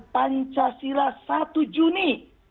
pancasila satu juni seribu sembilan ratus empat puluh lima